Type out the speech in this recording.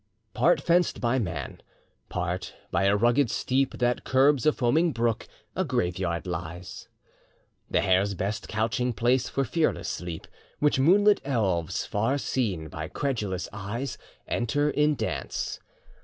] Part fenced by man, part by a rugged steep That curbs a foaming brook, a Grave yard lies; The hare's best couching place for fearless sleep; Which moonlit elves, far seen by credulous eyes, Enter in dance.